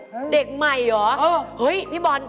เฮ่ยเด็กใหม่หรอโอ้ยพี่บอล